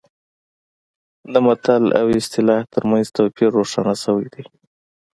د متل او اصطلاح ترمنځ توپیر روښانه شوی دی